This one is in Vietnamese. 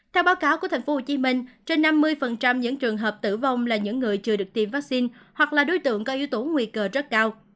theo báo cáo của thành phố hồ chí minh trên năm mươi những trường hợp tử vong là những người chưa được tiêm vaccine hoặc là đối tượng có yếu tố nguy cơ rất cao